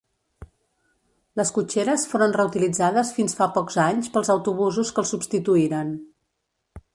Les cotxeres foren reutilitzades fins fa pocs anys pels autobusos que el substituïren.